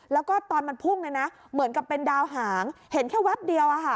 แล้วก็ตอนมันพุ่งเนี่ยนะเหมือนกับเป็นดาวหางเห็นแค่แป๊บเดียว